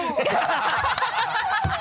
ハハハ